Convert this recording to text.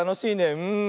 うん。